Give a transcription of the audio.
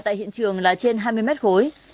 tại hiện trường là trên hai mươi mét khối